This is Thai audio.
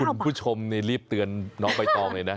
คุณผู้ชมนี่รีบเตือนน้องใบตองเลยนะ